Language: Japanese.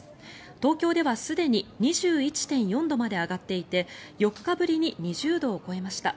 東京ではすでに２１．４度まで上がっていて４日ぶりに２０度を超えました。